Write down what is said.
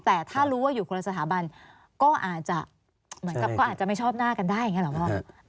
แต่ถ้ารู้ว่าอยู่คนละสถาบันก็อาจจะไม่ชอบหน้ากันได้อย่างนี้หรือเปล่า